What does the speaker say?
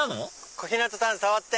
小日向さん触って！